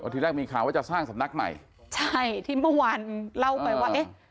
ทีแรกมีข่าวว่าจะสร้างสำนักใหม่ใช่ที่เมื่อวานเล่าไปว่าเอ๊ะ